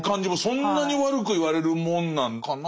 そんなに悪く言われるもんなんかなみたいな。